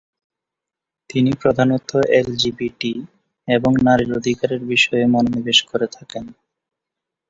তিনি প্রধানত এলজিবিটি এবং নারীর অধিকারের বিষয়ে মনোনিবেশ করে থাকেন।